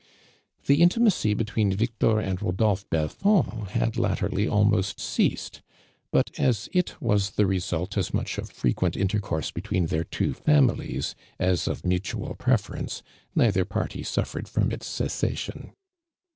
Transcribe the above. The intimaiy between Victor and lio dolphe Belfond had latterly almost ceased, but as it was the result as much of froijuent intercourse between tiieir two families, as of mutual pi'(!ference neither party sufi'er ed from its cessation.